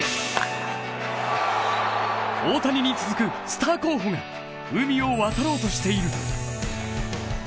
大谷に続くスター候補が海を渡ろうとしている。